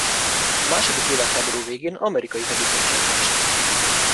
A második világháború végén amerikai hadifogságba esett.